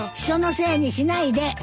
人のせいにしないで！